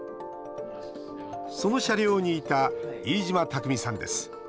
その車両にいた飯嶋琢己さんです。